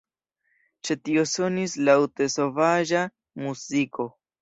Ĉe tio sonis laŭte sovaĝa muziko.